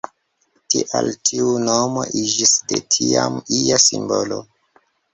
Tial tiu nomo iĝis de tiam ia simbolo.